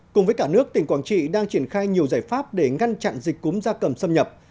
cùng với cả nước tỉnh quảng trị đang triển khai nhiều giải pháp để ngăn chặn dịch cúm gia cầm xâm nhập